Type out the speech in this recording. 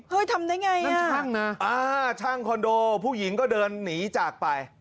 ทำได้ไงนั่นช่างนะช่างคอนโดผู้หญิงก็เดินหนีจากไป